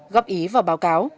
góp ý vào báo cáo